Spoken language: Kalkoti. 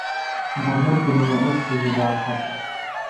می نوکری می استادی باڑخوش این۔